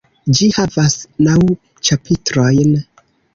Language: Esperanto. Ĝi havas naŭ ĉapitrojn.